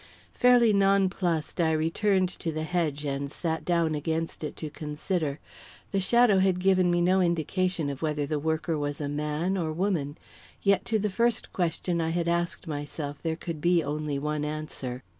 Fairly nonplussed, I returned to the hedge and sat down against it to consider. The shadow had given me no indication of whether the worker was man or woman; yet to the first question I had asked myself there could be only one answer.